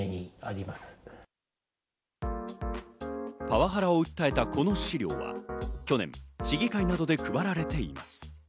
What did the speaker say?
パワハラを訴えたこの資料は去年、市議会などで配られています。